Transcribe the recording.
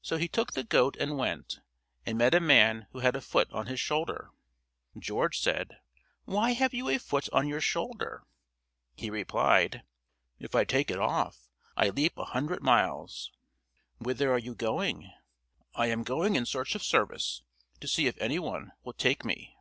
So he took the goat and went, and met a man who had a foot on his shoulder. George said: "Why have you a foot on your shoulder?" He replied: "If I take it off, I leap a hundred miles." "Whither are you going?" "I am going in search of service, to see if any one will take me."